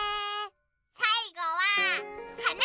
さいごははな！